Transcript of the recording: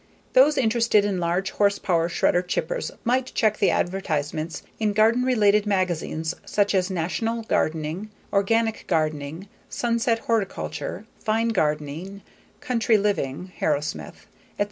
Those interested in large horsepower shredder/chippers might check the advertisements in garden related magazines such as _National Gardening, Organic Gardening, Sunset, Horticulture, Fine Gardening, Country Living (Harrowsmith), _etc.